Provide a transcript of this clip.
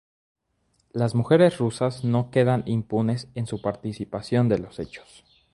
Las mujeres rusas no quedan impunes en su participación de los hechos.